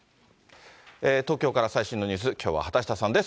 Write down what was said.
東京から最新のニュース、きょうは畑下さんです。